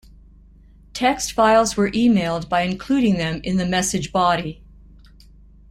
Text files were emailed by including them in the message body.